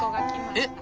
えっ？